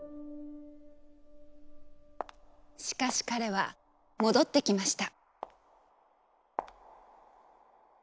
しかし彼は戻ってきました。